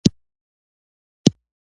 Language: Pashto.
یو سړي یو بت جوړ کړ.